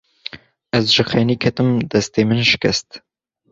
Ez ji xênî ketim, destê min şikest.